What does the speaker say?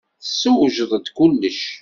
Tessewjed-d kullec.